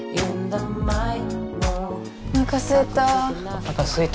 おなかすいた。